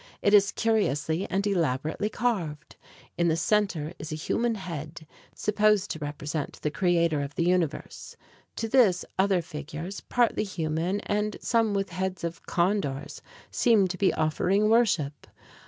It is curiously and elaborately carved. In the center is a human head, supposed to represent the creator of the universe. To this, other figures, partly human and some with heads of condors, seem to be offering worship.